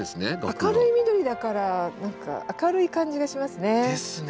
明るい緑だから何か明るい感じがしますね。ですね。